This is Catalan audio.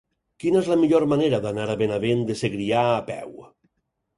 Quina és la millor manera d'anar a Benavent de Segrià a peu?